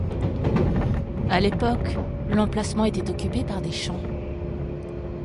À l'époque, l'emplacement était occupé par des champs.